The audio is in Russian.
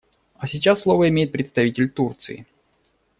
А сейчас слово имеет представитель Турции.